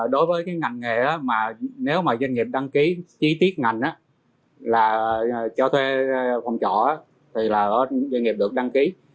đối với ngành nghề nếu doanh nghiệp đăng ký chi tiết ngành là cho thuê phòng trọ thì doanh nghiệp được đăng ký